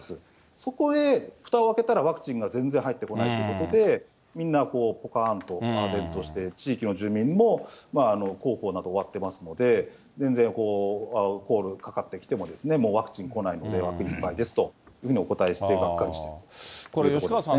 そこへ、ふたを開けたら、ワクチンが全然入ってこないということで、みんな、ぽかーんと、あぜんとして、地域の住民も、広報など終わってますので、全然コールかかってきても、もうワクチン来ないので、枠いっぱいですというふうにお答えしたということですね。